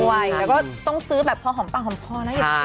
แล้วก็ต้องซื้อแบบพอหอมปังหอมพอนะ